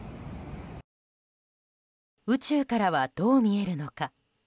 宇宙からはどう見えるのか。